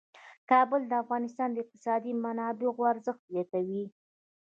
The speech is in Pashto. کابل د افغانستان د اقتصادي منابعو ارزښت زیاتوي.